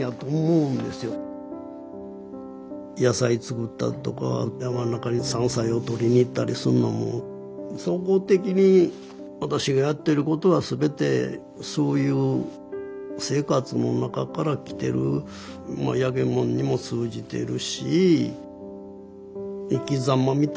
野菜作ったりとか山の中に山菜を採りにいったりするのも総合的に私がやってることは全てそういう生活の中からきてる焼きものにも通じてるし生きざまみたいなもんでしょうね。